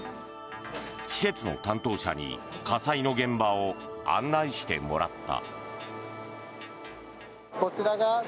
施設の担当者に火災の現場を案内してもらった。